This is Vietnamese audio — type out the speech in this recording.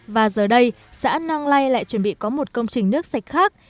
và giờ đây xã nang lai lại chuẩn bị có một công trình nước sạch khác